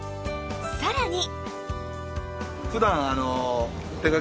さらに！